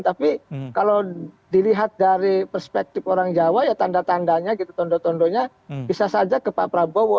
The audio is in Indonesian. tapi kalau dilihat dari perspektif orang jawa ya tanda tandanya gitu tondo tondonya bisa saja ke pak prabowo